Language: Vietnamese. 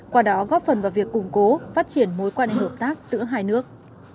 qua đó góp phần vào việc củng cố phát triển mối quan hệ hợp tác giữa hai nước